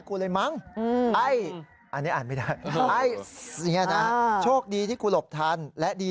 เข้าโพสต์ไว้แล้วเขียนข้อความไว้แบบนี้